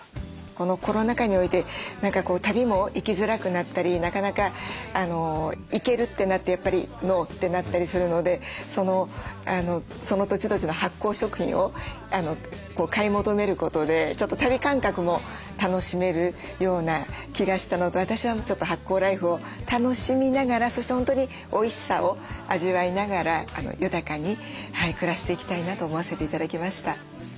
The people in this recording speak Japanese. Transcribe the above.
このコロナ渦において何か旅も行きづらくなったりなかなか行けるってなってやっぱりノーってなったりするのでその土地土地の発酵食品を買い求めることでちょっと旅感覚も楽しめるような気がしたのと私はちょっと発酵ライフを楽しみながらそして本当においしさを味わいながら豊かに暮らしていきたいなと思わせて頂きました。